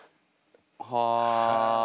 はあ。